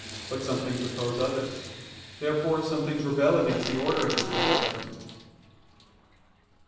But some things oppose others. Therefore some things rebel against the order of the Divine government.